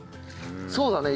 そうだね。